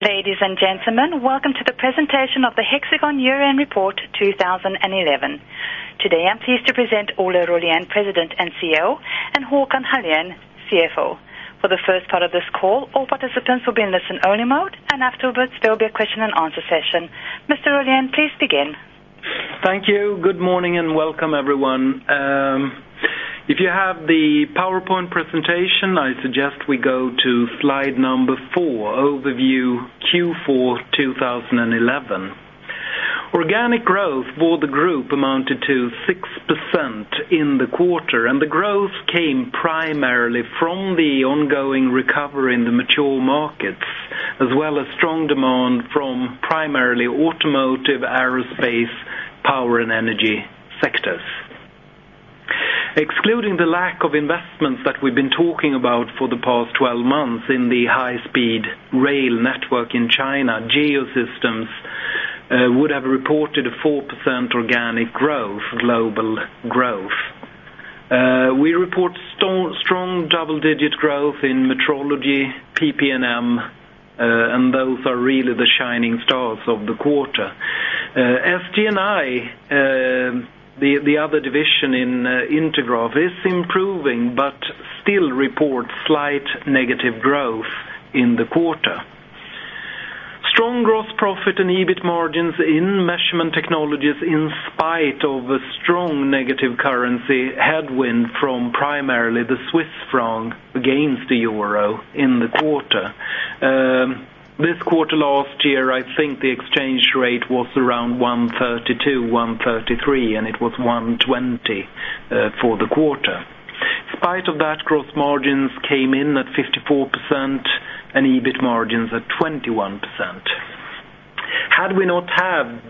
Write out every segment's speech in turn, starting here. Ladies and gentlemen, welcome to the presentation of the Hexagon European Report 2011. Today, I'm pleased to present Ola Rollén, President and CEO, and Håkan Hållén, CFO. For the first part of this call, all participants will be in listen-only mode, and afterwards, there will be a question and answer session. Mr. Rollén, please begin. Thank you. Good morning and welcome, everyone. If you have the PowerPoint presentation, I suggest we go to slide number four, overview Q4 2011. Organic growth for the group amounted to 6% in the quarter, and the growth came primarily from the ongoing recovery in the mature markets, as well as strong demand from primarily automotive, aerospace, power, and energy sectors. Excluding the lack of investments that we've been talking about for the past 12 months in the high-speed rail network in China, Geosystems would have reported a 4% organic growth, global growth. We report strong double-digit growth in metrology, PP&M, and those are really the shining stars of the quarter. SG&I, the other division in Integra, is improving but still reports slight negative growth in the quarter. Strong gross profit and EBIT margins in measurement technologies, in spite of a strong negative currency headwind from primarily the Swiss franc against the euro in the quarter. This quarter last year, I think the exchange rate was around 1.32, 1.33, and it was 1.20 for the quarter. In spite of that, gross margins came in at 54% and EBIT margins at 21%. Had we not had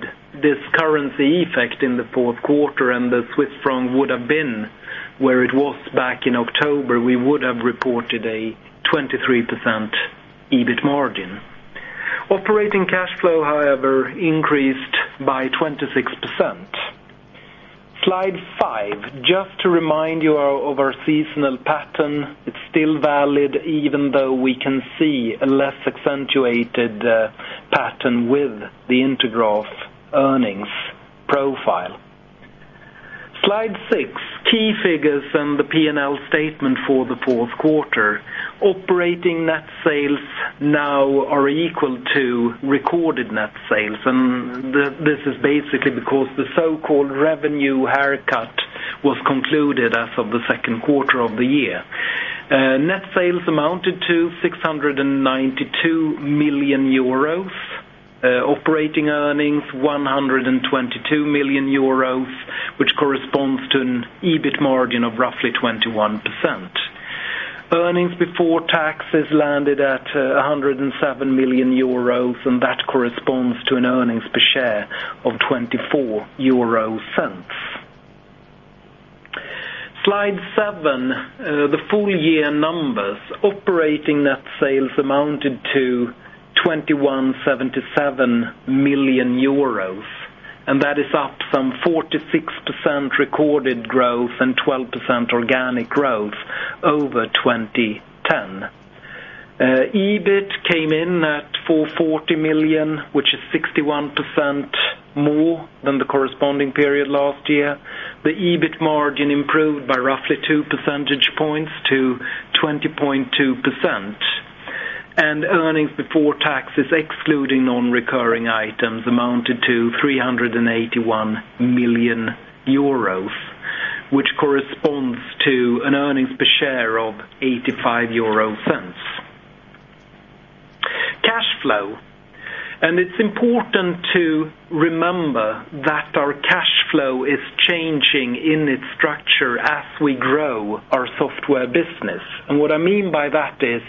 this currency effect in the fourth quarter and the Swiss franc would have been where it was back in October, we would have reported a 23% EBIT margin. Operating cash flow, however, increased by 26%. Slide five, just to remind you of our seasonal pattern. It's still valid even though we can see a less accentuated pattern with Integra's earnings profile. Slide six, key figures and the P&L statement for the fourth quarter. Operating net sales now are equal to recorded net sales, and this is basically because the so-called revenue haircut was concluded as of the second quarter of the year. Net sales amounted to 692 million euros. Operating earnings, 122 million euros, which corresponds to an EBIT margin of roughly 21%. Earnings before taxes landed at 107 million euros, and that corresponds to an earnings per share of 0.24. Slide seven, the full-year numbers. Operating net sales amounted to 2,177 million euros, and that is up some 46% recorded growth and 12% organic growth over 2010. EBIT came in at 440 million, which is 61% more than the corresponding period last year. The EBIT margin improved by roughly two percentage points to 20.2%, and earnings before taxes, excluding non-recurring items, amounted to 381 million euros, which corresponds to an earnings per share of 0.85. Cash flow, and it's important to remember that our cash flow is changing in its structure as we grow our software business. What I mean by that is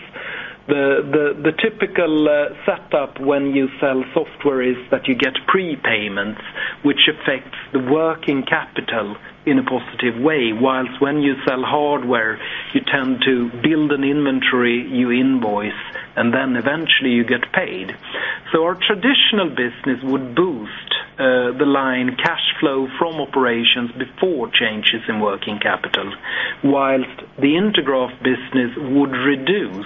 the typical setup when you sell software is that you get prepayments, which affects the working capital in a positive way, whilst when you sell hardware, you tend to build an inventory, you invoice, and then eventually you get paid. Our traditional business would boost the line cash flow from operations before changes in working capital, whilst Integra's business would reduce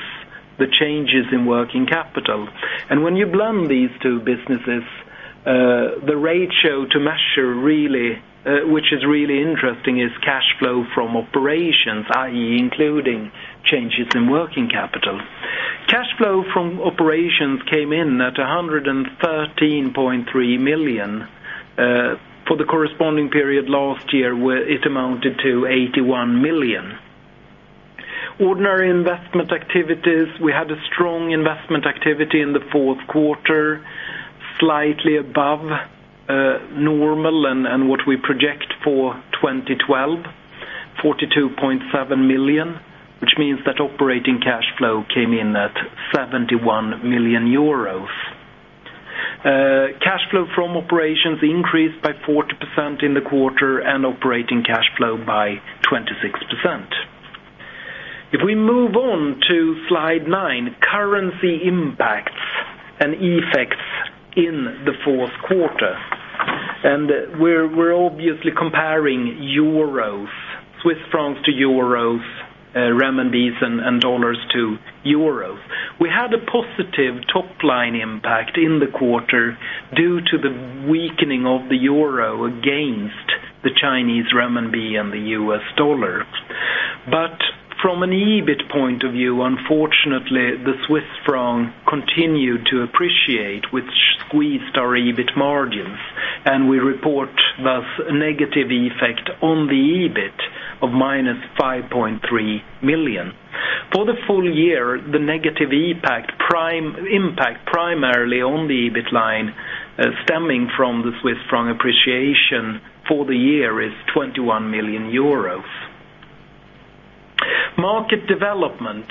the changes in working capital. When you blend these two businesses, the ratio to measure really, which is really interesting, is cash flow from operations, i.e., including changes in working capital. Cash flow from operations came in at 113.3 million for the corresponding period last year, where it amounted to 81 million. Ordinary investment activities, we had a strong investment activity in the fourth quarter, slightly above normal and what we project for 2012, 42.7 million, which means that operating cash flow came in at 71 million euros. Cash flow from operations increased by 40% in the quarter and operating cash flow by 26%. If we move on to slide nine, currency impacts and effects in the fourth quarter, and we're obviously comparing euros, Swiss francs to euros, renminbis and dollars to euros. We had a positive top line impact in the quarter due to the weakening of the euro against the Chinese renminbi and the U.S. dollar. From an EBIT point of view, unfortunately, the Swiss franc continued to appreciate, which squeezed our EBIT margins, and we report thus a negative effect on the EBIT of minus 5.3 million. For the full year, the negative impact primarily on the EBIT line stemming from the Swiss franc appreciation for the year is 21 million euros. Market development,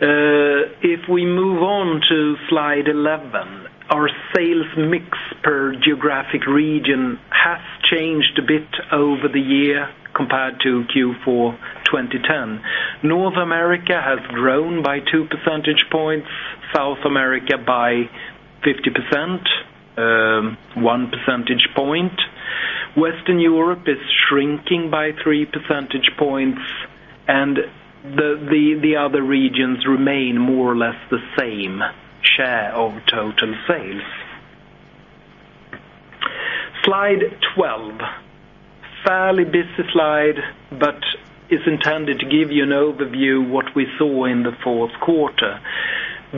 if we move on to slide 11, our sales mix per geographic region has changed a bit over the year compared to Q4 2010. North America has grown by two percentage points, South America by 50%, one percentage point. Western Europe is shrinking by three percentage points, and the other regions remain more or less the same share of total sales. Slide 12, fairly busy slide, but is intended to give you an overview of what we saw in the fourth quarter.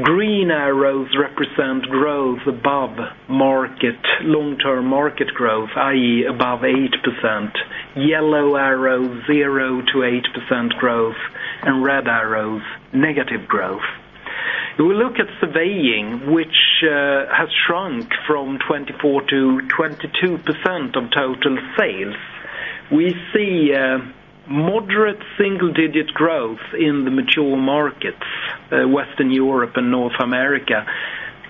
Green arrows represent growth above market, long-term market growth, i.e., above 8%. Yellow arrows, 0%-8% growth, and red arrows, negative growth. If we look at surveying, which has shrunk from 24%-22% of total sales, we see moderate single-digit growth in the mature markets, Western Europe and North America.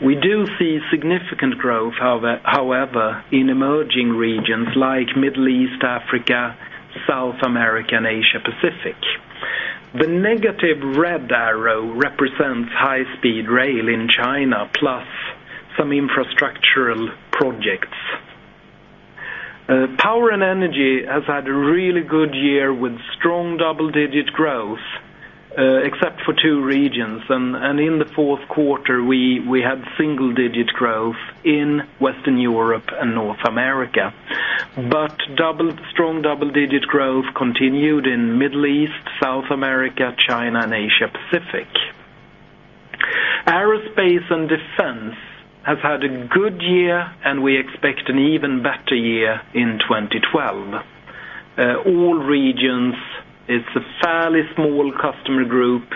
We do see significant growth, however, in emerging regions like Middle East, Africa, South America, and Asia-Pacific. The negative red arrow represents high-speed rail in China plus some infrastructural projects. Power and energy has had a really good year with strong double-digit growth, except for two regions. In the fourth quarter, we had single-digit growth in Western Europe and North America, but strong double-digit growth continued in the Middle East, South America, China, and Asia-Pacific. Aerospace and defense has had a good year, and we expect an even better year in 2012. All regions, it's a fairly small customer group.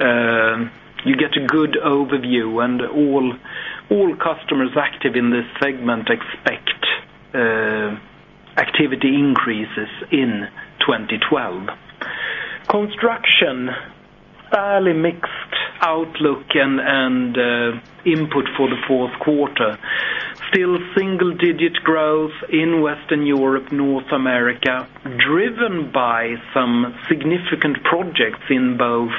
You get a good overview, and all customers active in this segment expect activity increases in 2012. Construction, fairly mixed outlook and input for the fourth quarter. Still, single-digit growth in Western Europe, North America, driven by some significant projects in both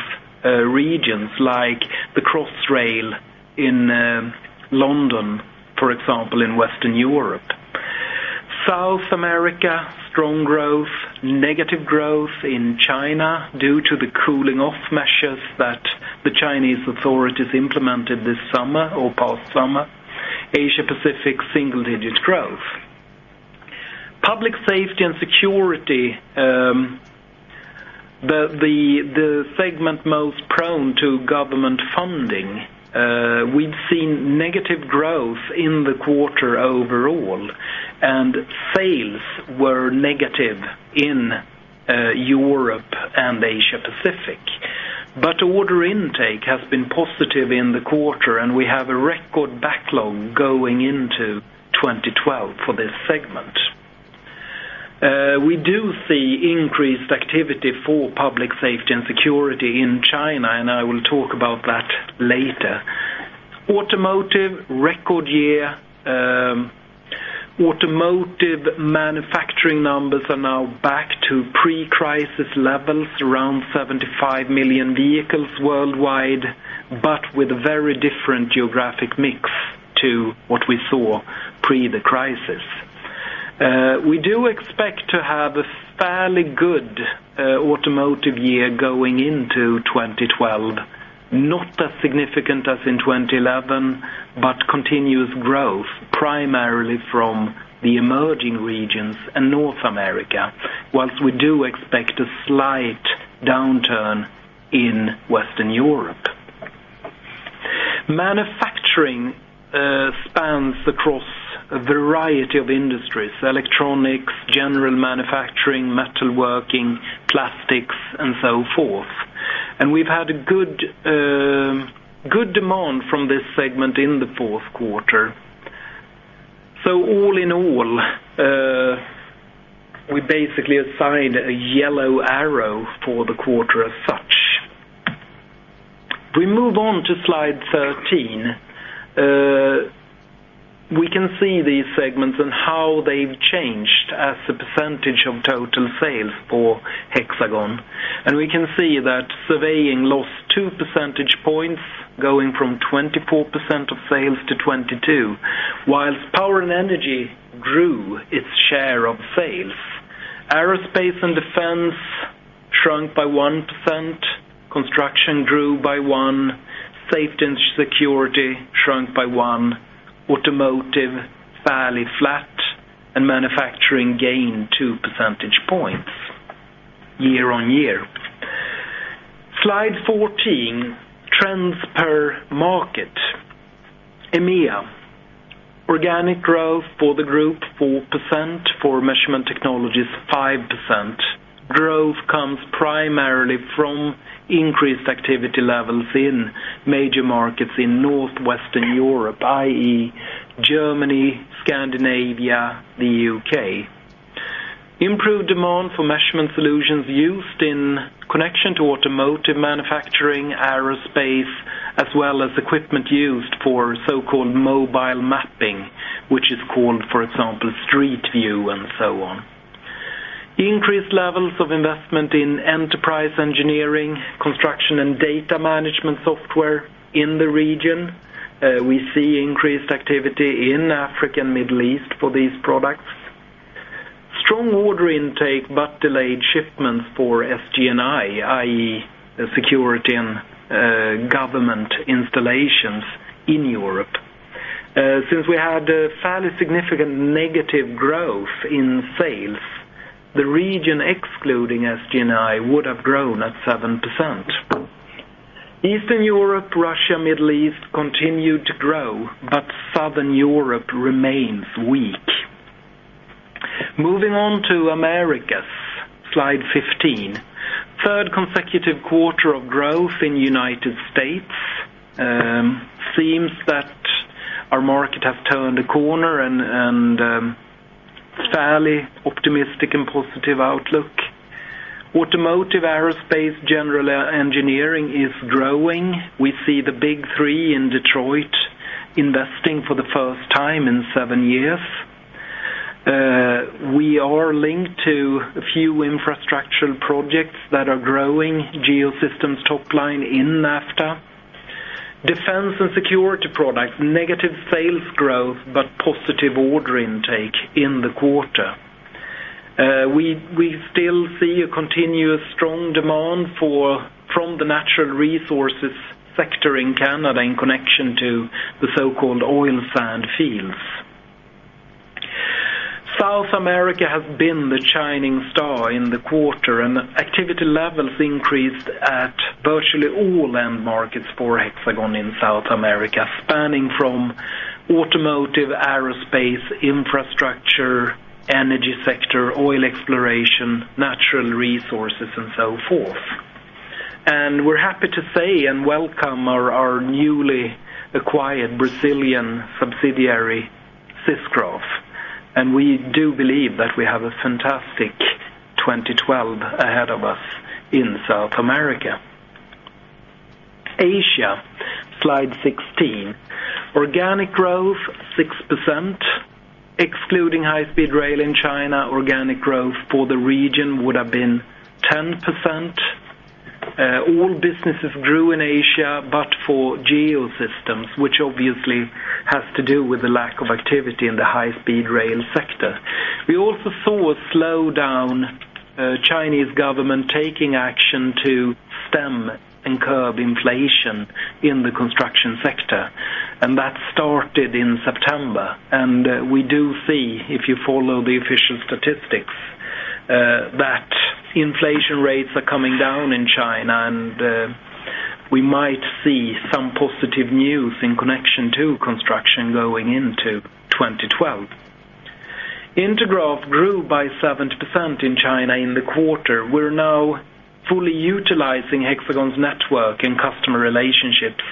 regions, like the Crossrail in London, for example, in Western Europe. South America, strong growth, negative growth in China due to the cooling off measures that the Chinese authorities implemented this summer or past summer. Asia-Pacific, single-digit growth. Public safety and security, the segment most prone to government funding, we've seen negative growth in the quarter overall, and sales were negative in Europe and Asia-Pacific. Order intake has been positive in the quarter, and we have a record backlog going into 2012 for this segment. We do see increased activity for public safety and security in China, and I will talk about that later. Automotive, record year. Automotive manufacturing numbers are now back to pre-crisis levels, around 75 million vehicles worldwide, but with a very different geographic mix to what we saw pre the crisis. We do expect to have a fairly good automotive year going into 2012, not as significant as in 2011, but continuous growth primarily from the emerging regions and North America, whilst we do expect a slight downturn in Western Europe. Manufacturing spans across a variety of industries: electronics, general manufacturing, metalworking, plastics, and so forth. We've had a good demand from this segment in the fourth quarter. All in all, we basically assign a yellow arrow for the quarter as such. If we move on to slide 13, we can see these segments and how they've changed as a percentage of total sales for Hexagon. We can see that surveying lost 2% points, going from 24% of sales to 22%, whilst power and energy grew its share of sales. Aerospace and defense shrunk by 1%. Construction grew by 1%. Safety and security shrunk by 1%. Automotive, fairly flat. Manufacturing gained 2% points year-on-year. Slide 14, trends per market. EMEA, organic growth for the group, 4%. For measurement technologies, 5%. Growth comes primarily from increased activity levels in major markets in Northwestern Europe, i.e., Germany, Scandinavia, the UK. Improved demand for measurement solutions used in connection to automotive manufacturing, aerospace, as well as equipment used for so-called mobile mapping, which is called, for example, Street View and so on. Increased levels of investment in enterprise engineering, construction, and data management software in the region. We see increased activity in Africa and the Middle East for these products. Strong order intake but delayed shipments for SG&I, i.e., security and government installations in Europe. Since we had fairly significant negative growth in sales, the region excluding SG&I would have grown at 7%. Eastern Europe, Russia, and the Middle East continue to grow, but Southern Europe remains weak. Moving on to Americas, slide 15. Third consecutive quarter of growth in the United States. Seems that our market has turned a corner and a fairly optimistic and positive outlook. Automotive, aerospace, and general engineering is growing. We see the big three in Detroit investing for the first time in seven years. We are linked to a few infrastructural projects that are growing: Geosystems top line in NAFTA. Defense and security products, negative sales growth but positive order intake in the quarter. We still see a continuous strong demand from the natural resources sector in Canada in connection to the so-called oil sand fields. South America has been the shining star in the quarter, and activity levels increased at virtually all end markets for Hexagon in South America, spanning from automotive, aerospace, infrastructure, energy sector, oil exploration, natural resources, and so forth. We are happy to say and welcome our newly acquired Brazilian subsidiary, Syscross. We do believe that we have a fantastic 2012 ahead of us in South America. Asia, slide 16. Organic growth, 6%. Excluding high-speed rail in China, organic growth for the region would have been 10%. All businesses grew in Asia, except for Geosystems, which obviously has to do with the lack of activity in the high-speed rail sector. We also saw a slowdown, with the Chinese government taking action to stem and curb inflation in the construction sector, and that started in September. We do see, if you follow the official statistics, that inflation rates are coming down in China, and we might see some positive news in connection to construction going into 2012. Integra grew by 7% in China in the quarter. We're now fully utilizing Hexagon's network and customer relationships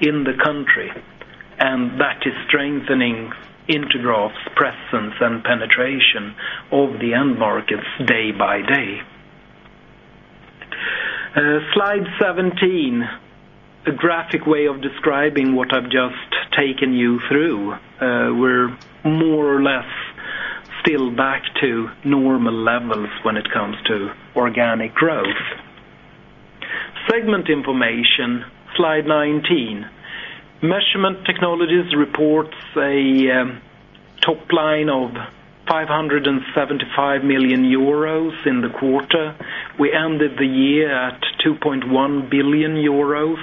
in the country, and that is strengthening Integra's presence and penetration of the end markets day by day. Slide 17, a graphic way of describing what I've just taken you through. We're more or less still back to normal levels when it comes to organic growth. Segment information, slide 19. Measurement Technologies reports a top line of 575 million euros in the quarter. We ended the year at 2.1 billion euros,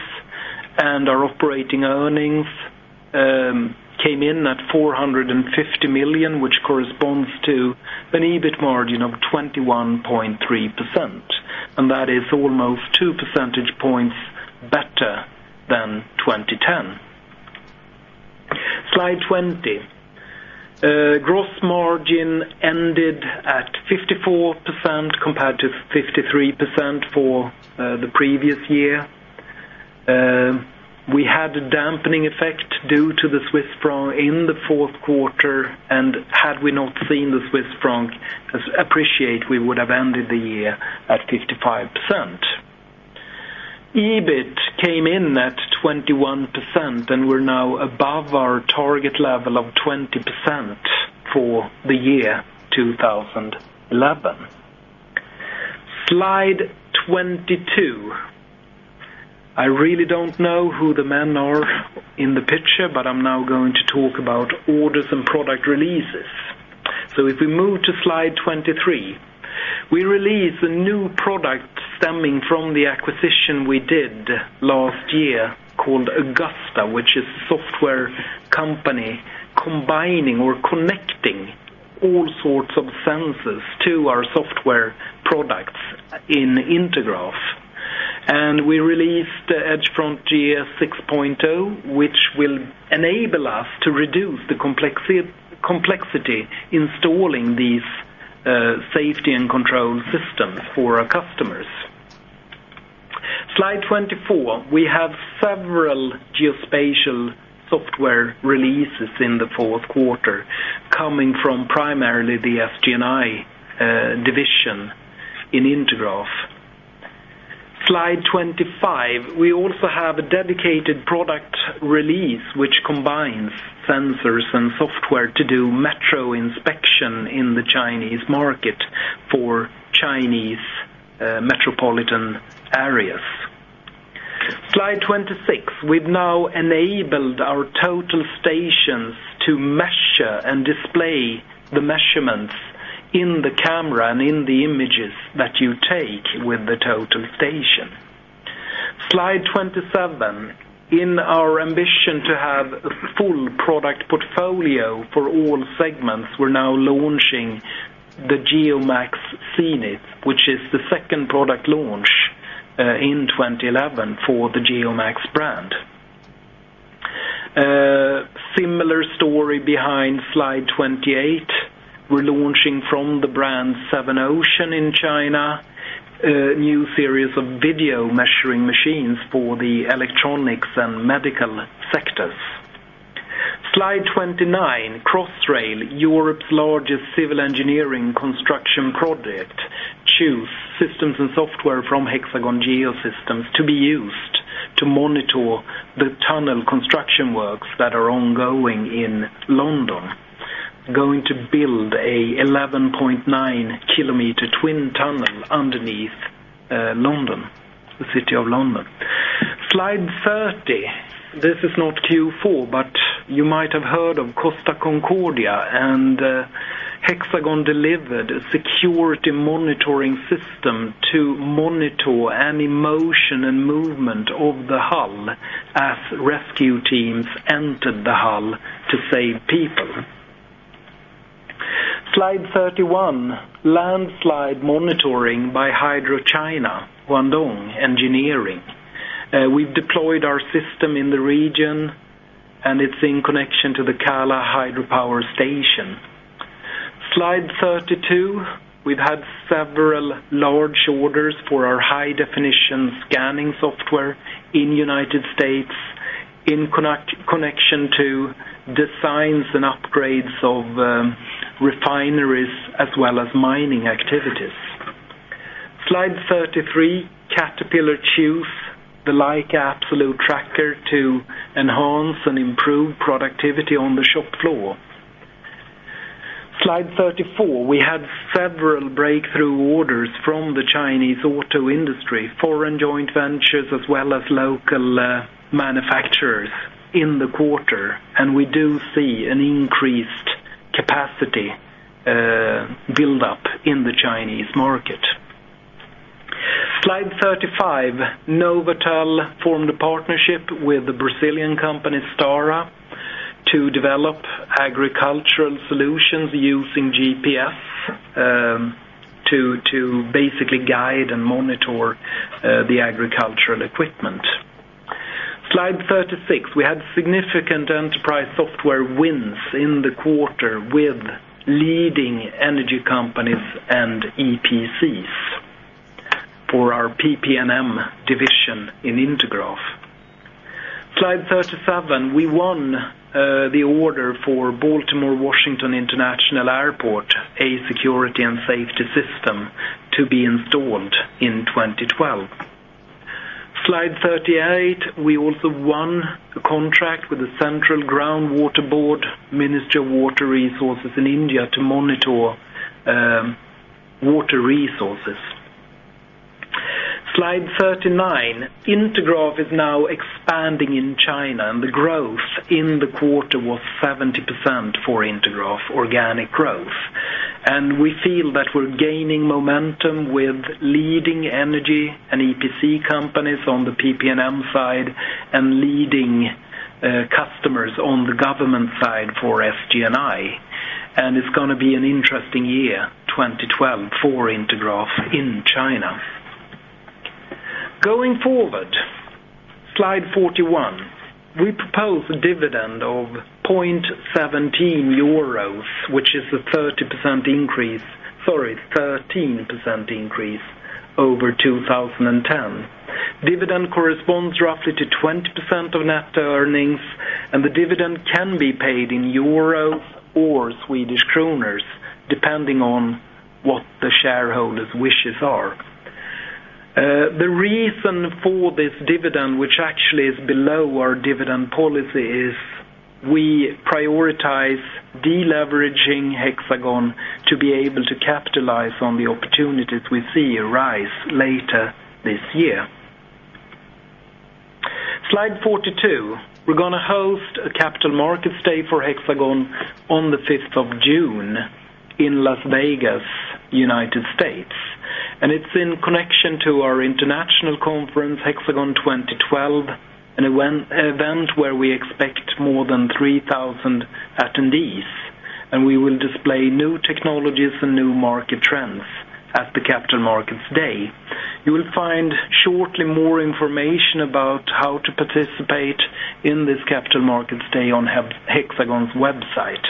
and our operating earnings came in at 450 million, which corresponds to an EBIT margin of 21.3%. That is almost two percentage points better than 2010. Slide 20. Gross margin ended at 54% compared to 53% for the previous year. We had a dampening effect due to the Swiss franc in the fourth quarter, and had we not seen the Swiss franc appreciate, we would have ended the year at 55%. EBIT came in at 21%, and we're now above our target level of 20% for the year 2011. Slide 22. I really don't know who the men are in the picture, but I'm now going to talk about orders and product releases. If we move to slide 23, we released a new product stemming from the acquisition we did last year called Augusta, which is a software company combining or connecting all sorts of sensors to our software products in Integra. We released the Edge Front Gear 6.0, which will enable us to reduce the complexity in installing these safety and control systems for our customers. Slide 24. We have several geospatial software releases in the fourth quarter coming from primarily the SG&I division in Integra. Slide 25. We also have a dedicated product release which combines sensors and software to do metro inspection in the Chinese market for Chinese metropolitan areas. Slide 26. We've now enabled our total stations to measure and display the measurements in the camera and in the images that you take with the total station. Slide 27. In our ambition to have a full product portfolio for all segments, we're now launching the GeoMax Zenith, which is the second product launch in 2011 for the GeoMax brand. Similar story behind slide 28. We're launching from the brand Seven Ocean in China, a new series of video measuring machines for the electronics and medical sectors. Slide 29. Crossrail, Europe's largest civil engineering construction project, chooses systems and software from Hexagon Geosystems to be used to monitor the tunnel construction works that are ongoing in London. Going to build an 11.9-kilometer twin tunnel underneath the city of London. Slide 30. This is not Q4, but you might have heard of Costa Concordia, and Hexagon delivered a security monitoring system to monitor any motion and movement of the hull as rescue teams entered the hull to save people. Slide 31. Landslide monitoring by HydroChina, Guangdong Engineering. We've deployed our system in the region, and it's in connection to the Kala Hydropower Station. Slide 32. We've had several large orders for our high-definition scanning software in the United States in connection to designs and upgrades of refineries as well as mining activities. Slide 33. Caterpillar chose the Leica Absolute Tracker to enhance and improve productivity on the shop floor. Slide 34. We had several breakthrough orders from the Chinese auto industry, foreign joint ventures, as well as local manufacturers in the quarter, and we do see an increased capacity buildup in the Chinese market. Slide 35. NovAtel formed a partnership with the Brazilian company Stara to develop agricultural solutions using GPS to basically guide and monitor the agricultural equipment. Slide 36. We had significant enterprise software wins in the quarter with leading energy companies and EPCs for our PP&M division in Integra. Slide 37. We won the order for Baltimore Washington International Airport, a security and safety system to be installed in 2012. Slide 38. We also won a contract with the Central Groundwater Board, Ministry of Water Resources in India, to monitor water resources. Slide 39. Integra is now expanding in China, and the growth in the quarter was 70% for Integra organic growth. We feel that we're gaining momentum with leading energy and EPC companies on the PP&M side and leading customers on the government side for SG&I. It's going to be an interesting year, 2012, for Integra in China. Going forward, slide 41. We propose a dividend of 0.17 euros, which is a 13% increase over 2010. Dividend corresponds roughly to 20% of net earnings, and the dividend can be paid in euros or Swedish krona, depending on what the shareholders' wishes are. The reason for this dividend, which actually is below our dividend policy, is we prioritize deleveraging Hexagon to be able to capitalize on the opportunities we see arise later this year. Slide 42. We are going to host a Capital Markets Day for Hexagon on the 5th of June in Las Vegas, United States. It is in connection to our international conference, Hexagon 2012, an event where we expect more than 3,000 attendees. We will display new technologies and new market trends at the Capital Markets Day. You will find shortly more information about how to participate in this Capital Markets Day on Hexagon's website.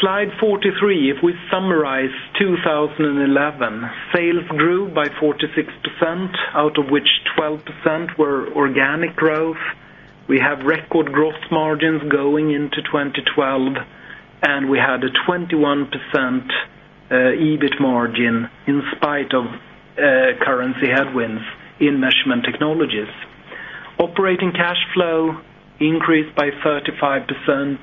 Slide 43. If we summarize 2011, sales grew by 46%, out of which 12% were organic growth. We have record gross margins going into 2012, and we had a 21% EBIT margin in spite of currency headwinds in measurement technologies. Operating cash flow increased by 35%,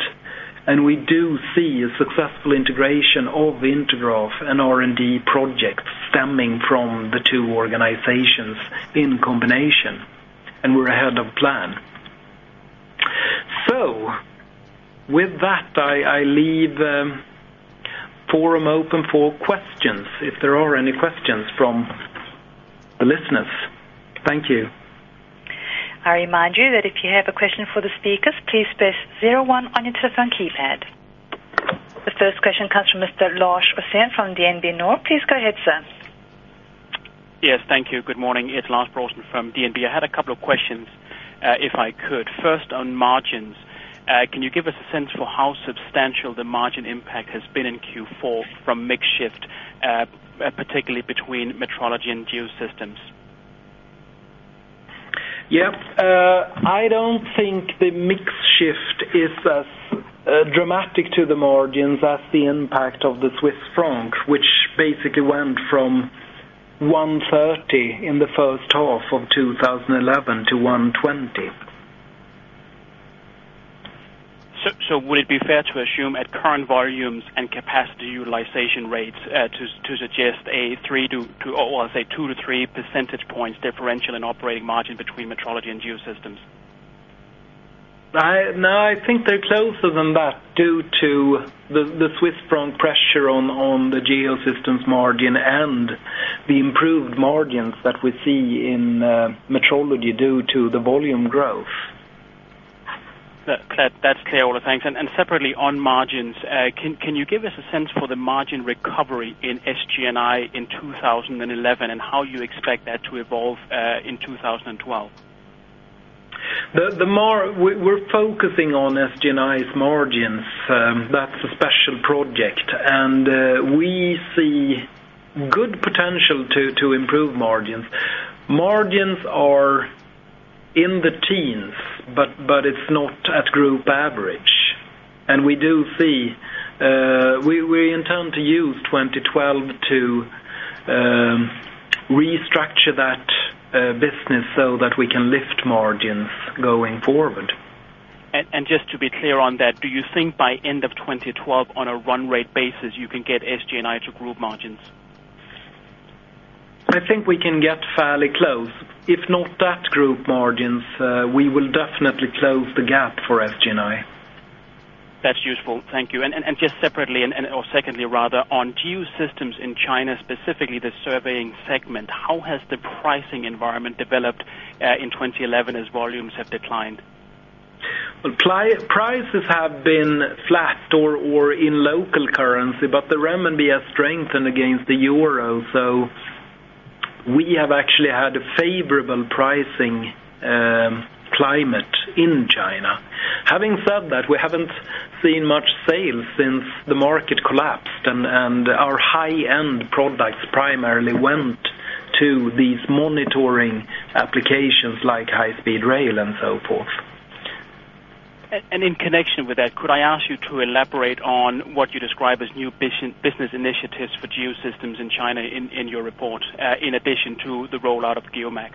and we do see a successful integration of Integra and R&D projects stemming from the two organizations in combination. We are ahead of plan. With that, I leave the forum open for questions if there are any questions from the listeners. Thank you. I remind you that if you have a question for the speakers, please press zero one on your telephone keypad. The first question comes from Mr. Lars Brorson from DNB NOR. Please go ahead, sir. Yes, thank you. Good morning. It's Lars Brorson from DNB. I had a couple of questions, if I could. First, on margins, can you give us a sense for how substantial the margin impact has been in Q4 from mix shift, particularly between metrology and Geosystems? I don't think the mix shift is as dramatic to the margins as the impact of the Swiss franc, which basically went from 130 in the first half of 2011 to 120. Would it be fair to assume at current volumes and capacity utilization rates to suggest a 2-3 percentage points differential in operating margin between metrology and Geosystems? No, I think they're closer than that due to the Swiss franc pressure on the Geosystems margin and the improved margins that we see in metrology due to the volume growth. That's clear, all the thanks. Separately on margins, can you give us a sense for the margin recovery in SG&I in 2011 and how you expect that to evolve in 2012? We're focusing on SG&I's margins. That's a special project, and we see good potential to improve margins. Margins are in the teens, but it's not at group average. We do see, we intend to use 2012 to restructure that business so that we can lift margins going forward. To be clear on that, do you think by end of 2012, on a run rate basis, you can get SG&I to group margins? I think we can get fairly close. If not at group margins, we will definitely close the gap for SG&I. That's useful. Thank you. Secondly, on Geosystems in China, specifically the surveying segment, how has the pricing environment developed in 2011 as volumes have declined? Prices have been flat or in local currency, but the renminbi has strengthened against the euro. We have actually had a favorable pricing climate in China. Having said that, we haven't seen much sales since the market collapsed, and our high-end products primarily went to these monitoring applications like high-speed rail and so forth. Could I ask you to elaborate on what you describe as new business initiatives for Geosystems in China in your report, in addition to the rollout of GeoMax?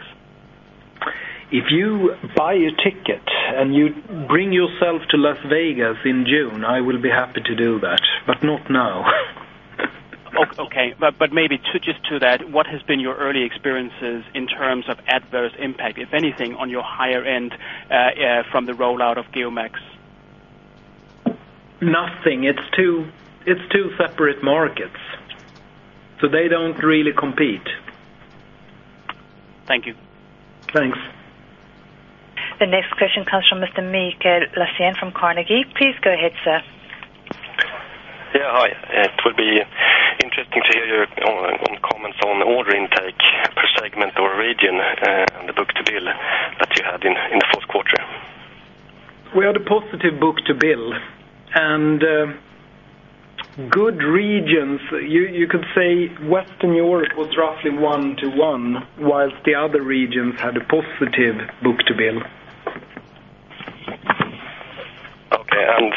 If you buy a ticket and you bring yourself to Las Vegas in June, I will be happy to do that, but not now. Okay, maybe just to that, what has been your early experiences in terms of adverse impact, if anything, on your higher end from the rollout of GeoMax? Nothing. It's two separate markets, so they don't really compete. Thank you. Thanks. The next question comes from Mr. Mikael Laséen from Carnegie. Please go ahead, sir. Hi. It would be interesting to hear your comments on order intake per segment or region and the book-to-bill that you had in the fourth quarter. We had a positive book-to-bill, and good regions. You could say Western Europe was roughly one to one, while the other regions had a positive book-to-bill. Okay.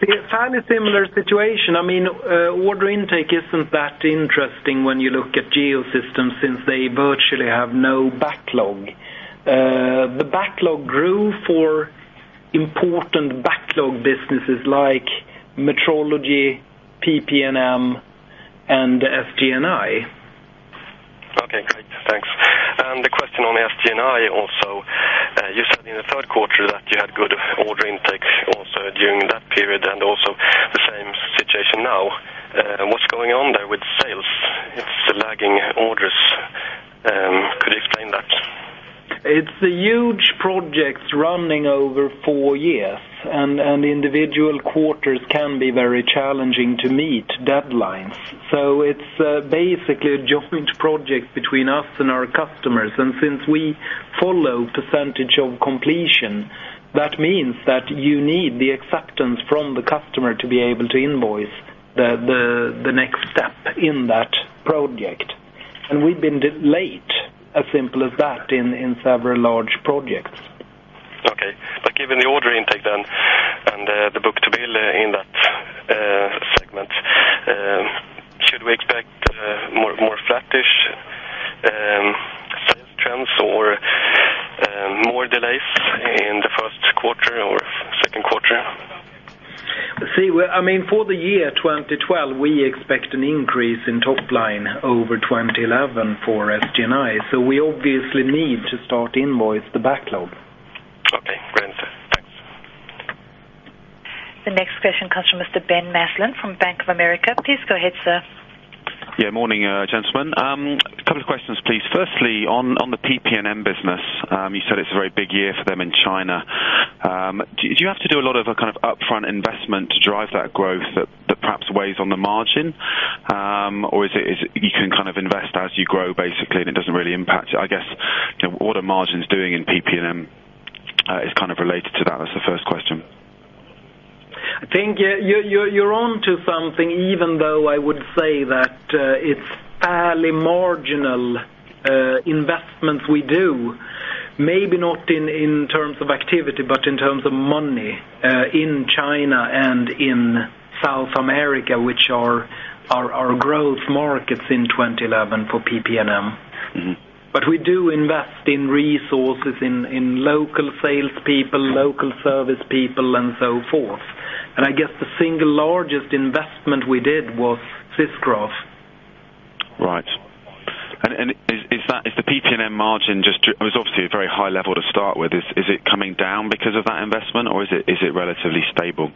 Segments-wise? Fairly similar situation. I mean, order intake isn't that interesting when you look at Geosystems since they virtually have no backlog. The backlog grew for important backlog businesses like metrology, PP&M, and SG&I. Okay, great. Thanks. The question on SG&I also, you said in the third quarter that you had good order intake also during that period and also the same situation now. What's going on there with sales? It's lagging orders. Could you explain that? It's a huge project running over four years, and individual quarters can be very challenging to meet deadlines. It is basically a joint project between us and our customers. Since we follow a percentage of completion, that means that you need the acceptance from the customer to be able to invoice the next step in that project. We've been late, as simple as that, in several large projects. Okay. Given the order intake then and the book-to-bill in that segment, should we expect more flatish sales trends or more delays in the first quarter or second quarter? For the year 2012, we expect an increase in top line over 2011 for SG&I. We obviously need to start invoice the backlog. Okay. Grand. The next question comes from Mr. Ben Maslen from Bank of America. Please go ahead, sir. Yeah, morning, gentlemen. A couple of questions, please. Firstly, on the PP&M business, you said it's a very big year for them in China. Do you have to do a lot of kind of upfront investment to drive that growth that perhaps weighs on the margin? Or you can kind of invest as you grow, basically, and it doesn't really impact it? I guess what are margins doing in PP&M is kind of related to that. That's the first question. I think you're on to something, even though I would say that it's fairly marginal investments we do. Maybe not in terms of activity, but in terms of money in China and in South America, which are our growth markets in 2011 for PP&M. We do invest in resources, in local salespeople, local service people, and so forth. I guess the single largest investment we did was Integra. Is the PP&M margin just, it was obviously a very high level to start with. Is it coming down because of that investment, or is it relatively stable?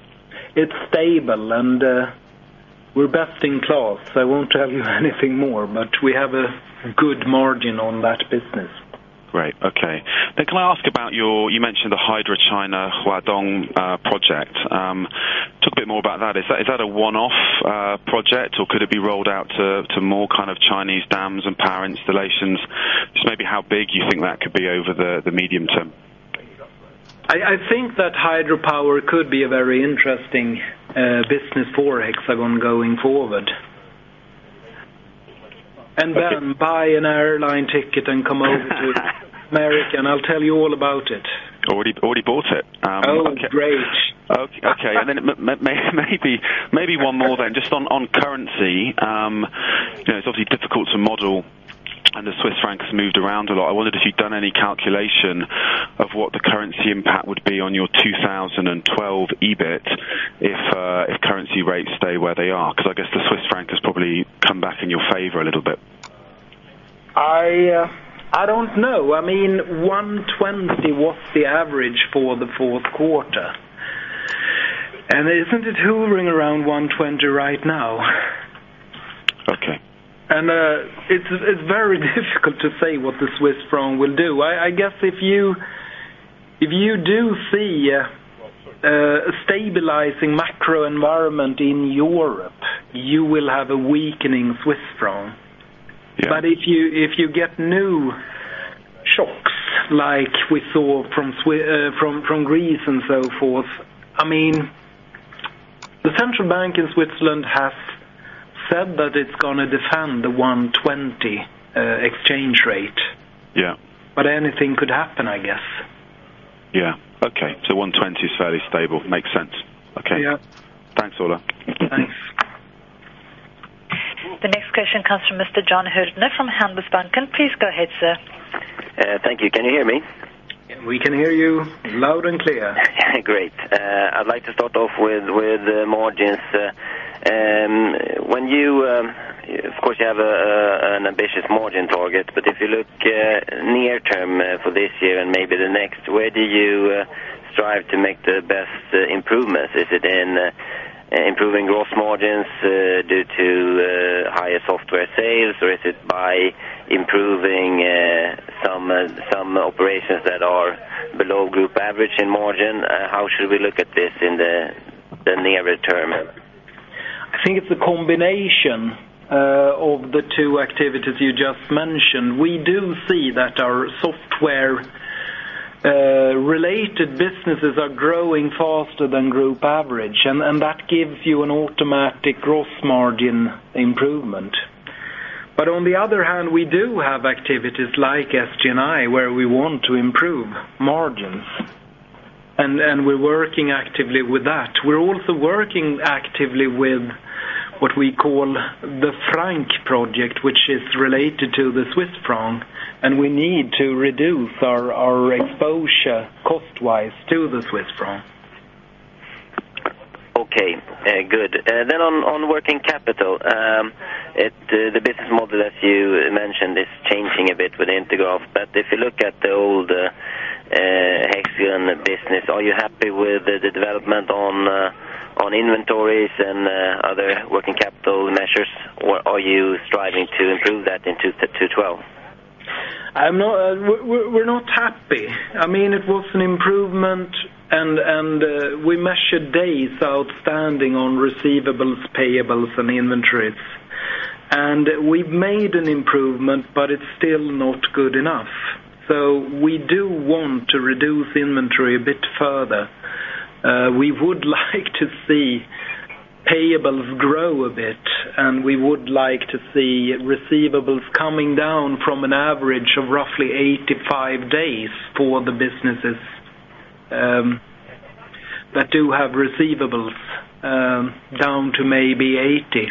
It's stable, and we're best in class. I won't tell you anything more, but we have a good margin on that business. Great. Okay. Can I ask about your—you mentioned the Hydro China Hua Dong project. Talk a bit more about that. Is that a one-off project, or could it be rolled out to more kind of Chinese dams and power installations? Just maybe how big do you think that could be over the medium term? I think that hydropower could be a very interesting business for Hexagon going forward. Buy an airline ticket and come over to America, and I'll tell you all about it. Oh, already bought it. Oh, great. Okay. Maybe one more, just on currency. It's obviously difficult to model, and the Swiss franc has moved around a lot. I wondered if you've done any calculation of what the currency impact would be on your 2012 EBIT if currency rates stay where they are, because I guess the Swiss franc has probably come back in your favor a little bit. I don't know. I mean, 120 was the average for the fourth quarter. Isn't it hovering around 120 right now? Okay. It is very difficult to say what the Swiss franc will do. I guess if you do see a stabilizing macro environment in Europe, you will have a weakening Swiss franc. If you get new shocks, like we saw from Greece and so forth, the Central Bank in Switzerland has said that it's going to defend the 1.20 exchange rate. Yeah. Anything could happen, I guess. Okay. So 120 is fairly stable. Makes sense. Okay. Yeah. Thanks, Ola. Thanks. Thanks. The next question comes from Mr. Jon Hyltner from Handelsbanken. Please go ahead, sir. Thank you. Can you hear me? We can hear you loud and clear. Great. I'd like to start off with margins. Of course, you have an ambitious margin target, but if you look near term for this year and maybe the next, where do you strive to make the best improvements? Is it in improving gross margins due to higher software sales, or is it by improving some operations that are below group average in margin? How should we look at this in the nearer term? I think it's a combination of the two activities you just mentioned. We do see that our software-related businesses are growing faster than group average, and that gives you an automatic gross margin improvement. On the other hand, we do have activities like SG&I where we want to improve margins, and we're working actively with that. We're also working actively with what we call the franc project, which is related to the Swiss franc, and we need to reduce our exposure cost-wise to the Swiss franc. Okay. Good. On working capital, the business model that you mentioned is changing a bit with Integra. If you look at the old Hexagon business, are you happy with the development on inventories and other working capital measures, or are you striving to improve that in 2012? We're not happy. I mean, it was an improvement, and we measured days outstanding on receivables, payables, and inventories. We've made an improvement, but it's still not good enough. We do want to reduce inventory a bit further. We would like to see payables grow a bit, and we would like to see receivables coming down from an average of roughly 85 days for the businesses that do have receivables down to maybe 80.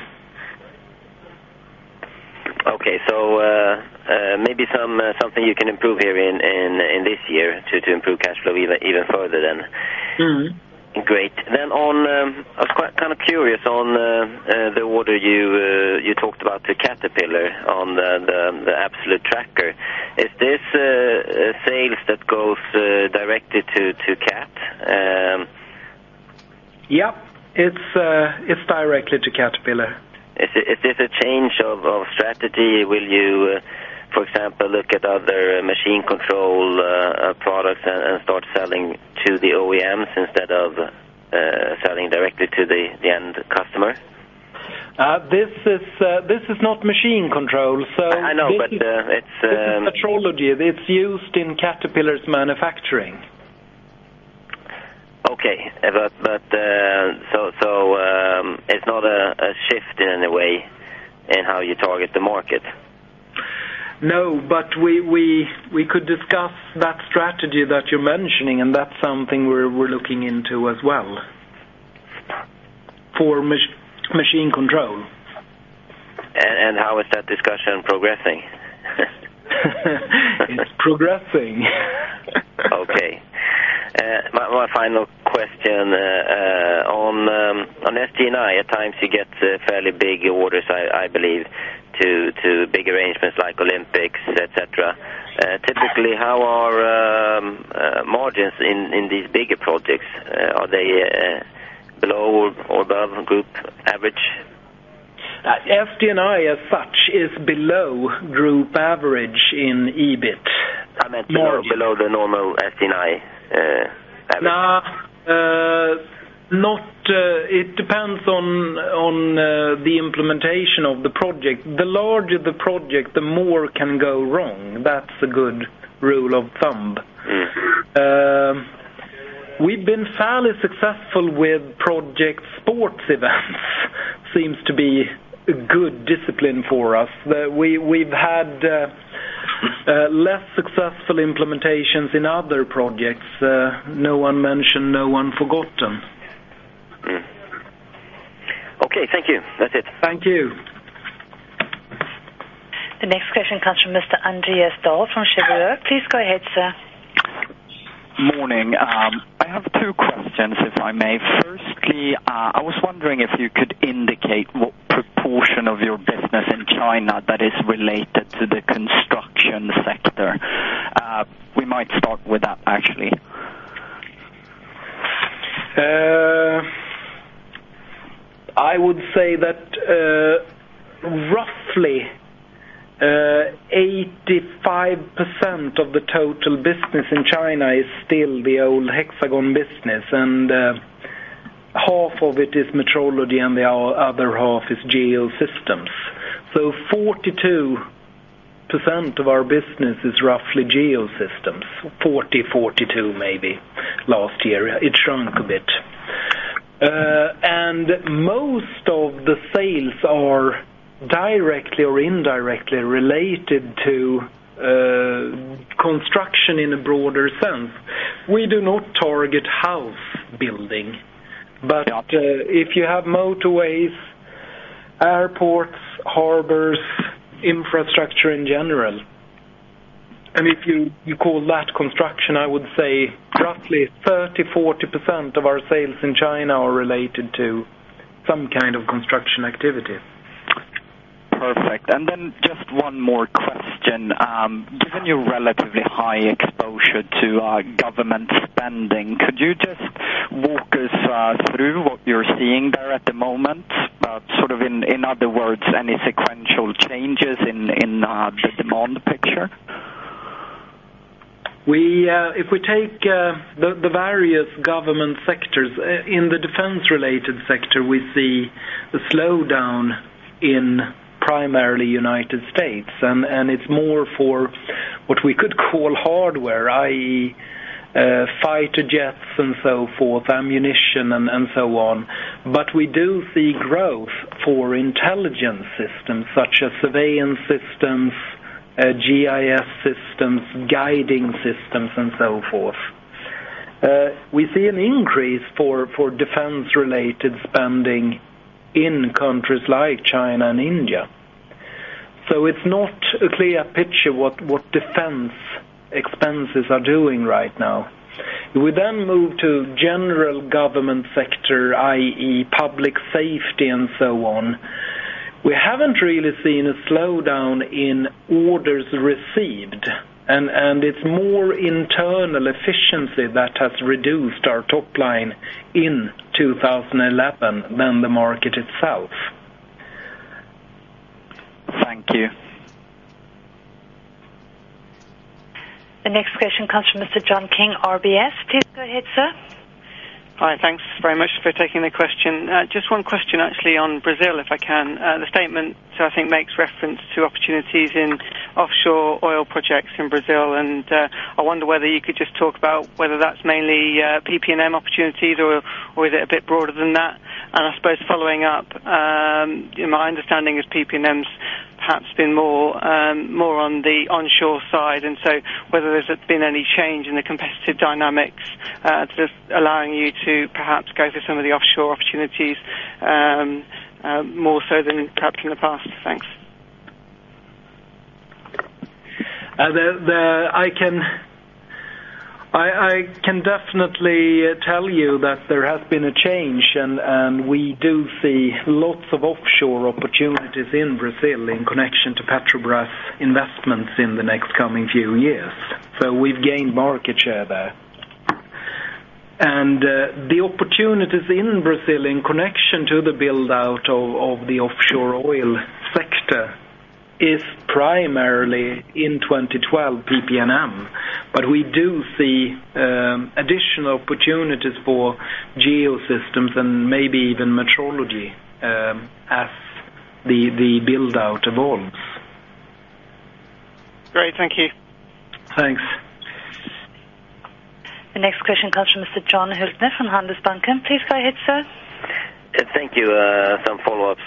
Okay. Maybe there is something you can improve this year to improve cash flow even further. Great. I was kind of curious on the order you talked about to Caterpillar on the absolute tracker. Is this sales that goes directly to CAT? Yeah, it's directly to Caterpillar. Is this a change of strategy? Will you, for example, look at other machine control products and start selling to the OEMs instead of selling directly to the end customer? This is not machine control. I know, but it's. It's metrology. It's used in Caterpillar's manufacturing. Okay. It is not a shift in any way in how you target the market? No, we could discuss that strategy that you're mentioning, and that's something we're looking into as well for machine control. How is that discussion progressing? It's progressing. Okay. My final question on SG&I. At times, you get fairly big orders, I believe, to big arrangements like Olympics, etc. Typically, how are margins in these bigger projects? Are they below or above group average? SG&I as such is below group average in EBIT. I meant below the normal SG&I. No, it depends on the implementation of the project. The larger the project, the more can go wrong. That's a good rule of thumb. We've been fairly successful with project sports events. It seems to be a good discipline for us. We've had less successful implementations in other projects. No one mentioned, no one forgotten. Okay, thank you. That's it. Thank you. The next question comes from Mr. Andreas Dahl from Cheuvreux. Please go ahead, sir. Morning. I have two questions, if I may. Firstly, I was wondering if you could indicate what proportion of your business in China that is related to the construction sector. We might start with that, actually. I would say that roughly 85% of the total business in China is still the old Hexagon business, and half of it is metrology, and the other half is Geosystems. So 42% of our business is roughly Geosystems, 40, 42 maybe last year. It shrunk a bit. Most of the sales are directly or indirectly related to construction in a broader sense. We do not target house building, but if you have motorways, airports, harbors, infrastructure in general. If you call that construction, I would say roughly 30, 40% of our sales in China are related to some kind of construction activity. Perfect. Just one more question. Given your relatively high exposure to government spending, could you walk us through what you're seeing there at the moment? In other words, any sequential changes in the demand picture? If we take the various government sectors, in the defense-related sector, we see a slowdown in primarily the U.S., and it's more for what we could call hardware, i.e., fighter jets and so forth, ammunition and so on. We do see growth for intelligence systems such as surveillance systems, GIS systems, guiding systems, and so forth. We see an increase for defense-related spending in countries like China and India. It's not a clear picture what defense expenses are doing right now. We then move to general government sector, i.e., public safety and so on. We haven't really seen a slowdown in orders received, and it's more internal efficiency that has reduced our top line in 2011 than the market itself. Thank you. The next question comes from Mr. John King, RBS. Please go ahead, sir. All right. Thanks very much for taking the question. Just one question, actually, on Brazil, if I can. The statement I think makes reference to opportunities in offshore oil projects in Brazil, and I wonder whether you could just talk about whether that's mainly PP&M opportunities, or is it a bit broader than that? I suppose following up, my understanding is PP&M's perhaps been more on the onshore side. Whether there's been any change in the competitive dynamics that is allowing you to perhaps go through some of the offshore opportunities more so than perhaps in the past. Thanks. I can definitely tell you that there has been a change, and we do see lots of offshore opportunities in Brazil in connection to Petrobras investments in the next coming few years. We've gained market share there, and the opportunities in Brazil in connection to the buildout of the offshore oil sector is primarily in 2012 PP&M, but we do see additional opportunities for Geosystems and maybe even metrology as the buildout evolves. Great. Thank you. Thanks. The next question comes from Mr. Jon Hyltner from Handelsbanken. Please go ahead, sir. Thank you. Some follow-ups.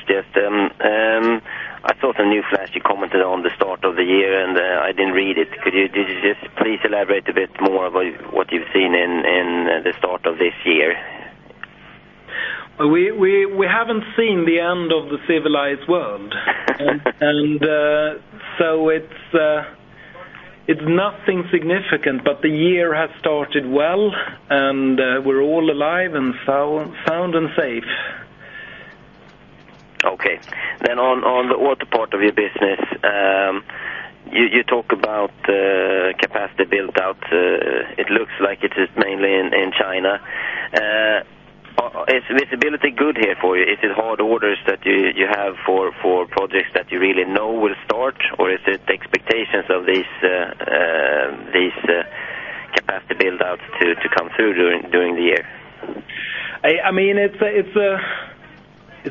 I thought a new flash you commented on the start of the year, and I didn't read it. Could you just please elaborate a bit more on what you've seen in the start of this year? We haven't seen the end of the civilized world, so it's nothing significant, but the year has started well and we're all alive and sound and safe. Okay. On the auto part of your business, you talk about capacity buildout. It looks like it is mainly in China. Is visibility good here for you? Is it hard orders that you have for projects that you really know will start, or is it the expectations of these capacity buildouts to come through during the year? I mean, it's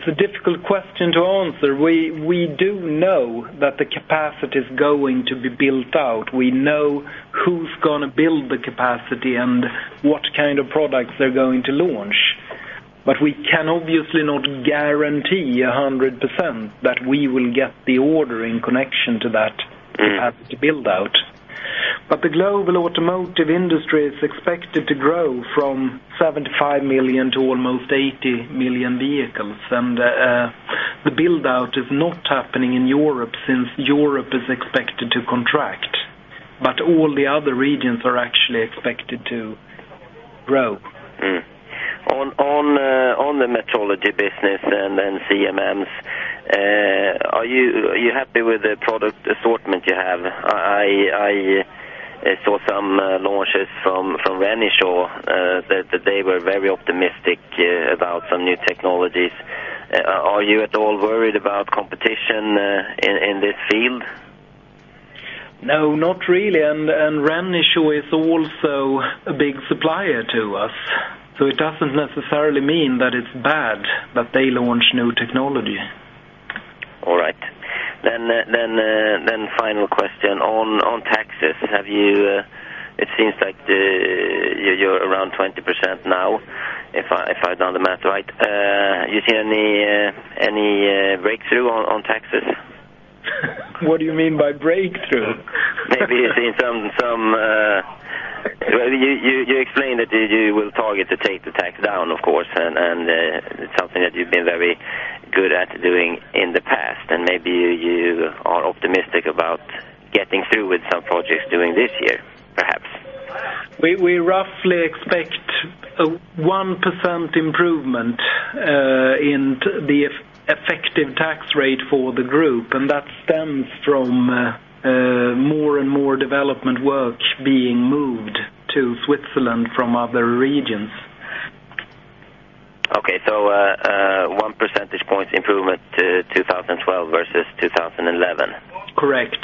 a difficult question to answer. We do know that the capacity is going to be built out. We know who's going to build the capacity and what kind of products they're going to launch. However, we can obviously not guarantee 100% that we will get the order in connection to that capacity buildout. The global automotive industry is expected to grow from 75 million to almost 80 million vehicles, and the buildout is not happening in Europe since Europe is expected to contract. All the other regions are actually expected to grow. On the metrology business and CMMs, are you happy with the product assortment you have? I saw some launches from Renishaw that they were very optimistic about some new technologies. Are you at all worried about competition in this field? No, not really. Renishaw is also a big supplier to us. It doesn't necessarily mean that it's bad that they launch new technology. All right. Final question. On taxes, it seems like you're around 20% now, if I've done the math right. Have you seen any breakthrough on taxes? What do you mean by breakthrough? Maybe you've seen some, you explained that you will target to take the tax down, of course, and it's something that you've been very good at doing in the past. Maybe you are optimistic about getting through with some projects during this year, perhaps. We roughly expect a 1% improvement in the effective tax rate for the group, and that stems from more and more development work being moved to Switzerland from other regions. Okay. So 1% point improvement to 2012 versus 2011? Correct.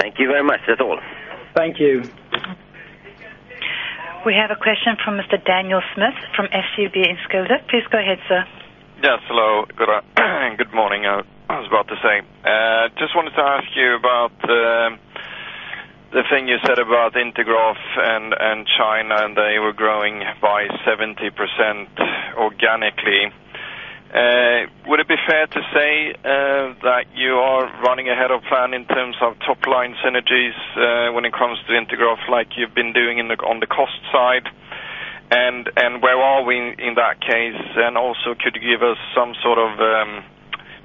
Thank you very much. That's all. Thank you. We have a question from Mr. Daniel Schmidt from SUB in Enskilda. Please go ahead, sir. Hello. Good morning. I just wanted to ask you about the thing you said about Integra and China, and they were growing by 70% organically. Would it be fair to say that you are running ahead of plan in terms of top line synergies when it comes to Integra like you've been doing on the cost side? Where are we in that case? Also, could you give us some sort of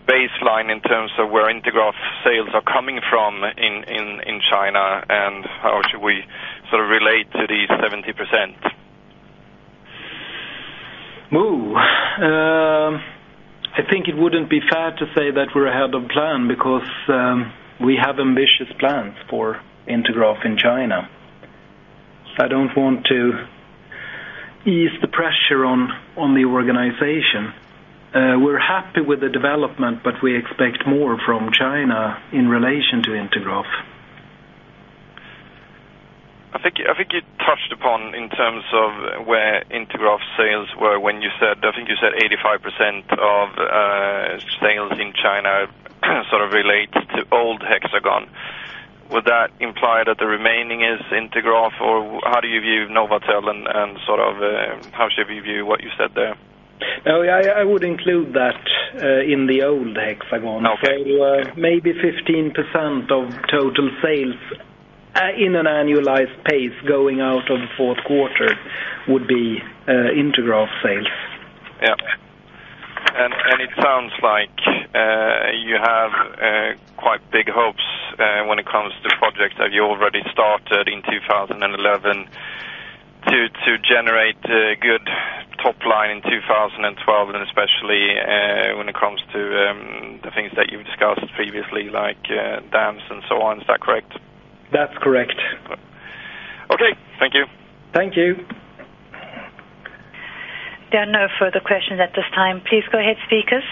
baseline in terms of where Integra sales are coming from in China, and how should we sort of relate to these 70%? I think it wouldn't be fair to say that we're ahead of plan because we have ambitious plans for Integra in China. I don't want to ease the pressure on the organization. We're happy with the development, but we expect more from China in relation to Integra. I think you touched upon in terms of where Integra sales were when you said, I think you said 85% of sales in China sort of relates to old Hexagon. Would that imply that the remaining is Integra, or how do you view NovAtel and sort of how should we view what you said there? Oh, yeah, I would include that in the old Hexagon. Maybe 15% of total sales on an annualized pace going out of the fourth quarter would be Integra sales. It sounds like you have quite big hopes when it comes to projects that you already started in 2011 to generate good top line in 2012, especially when it comes to the things that you discussed previously, like dams and so on. Is that correct? That's correct. Okay, thank you. Thank you. There are no further questions at this time. Please go ahead, speakers.